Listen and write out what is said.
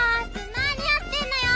なにやってんのよ！